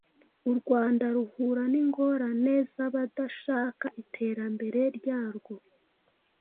u Rwanda ruhura n’ingorane zabadashaka iterambere ryarwo